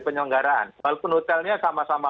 penyelenggaraan walaupun hotelnya sama sama